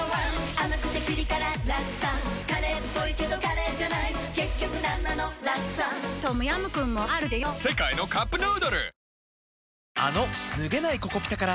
甘くてピリ辛ラクサカレーっぽいけどカレーじゃない結局なんなのラクサトムヤムクンもあるでヨ世界のカップヌードル